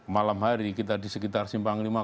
malam hari kita disekitar simpanglima